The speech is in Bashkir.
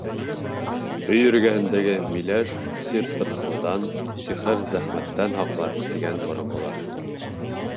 Өй эргәһендәге миләш сир-сырхауҙан, сихыр-зәхмәттән һаҡлар, тигән боронғолар.